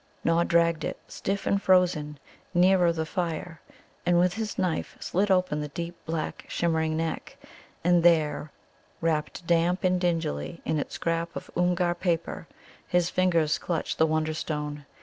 Nod dragged it, stiff and frozen, nearer the fire, and with his knife slit open the deep black, shimmering neck, and there, wrapped damp and dingily in its scrap of Oomgar paper, his fingers clutched the Wonderstone.